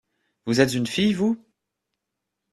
Vous êtes une fille, vous ?